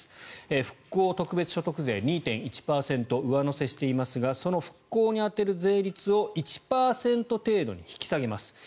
復興特別所得税２．１％上乗せしていますがその復興に充てる税率を１％程度に引き下げます。